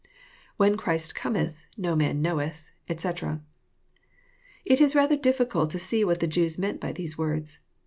IWhen Christ comethy no man knoiceth, etc,"] It is rather diffi cult to see what the Jews meant by these words.